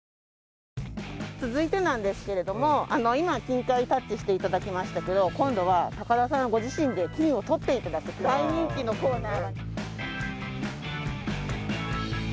続いてなんですけれども今金塊にタッチして頂きましたけど今度は高田さんご自身で金を採って頂く大人気のコーナー。